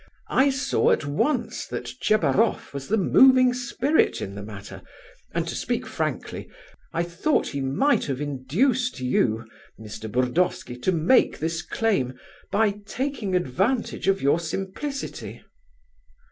I saw at once that Tchebaroff was the moving spirit in the matter, and, to speak frankly, I thought he might have induced you, Mr. Burdovsky, to make this claim, by taking advantage of your simplicity."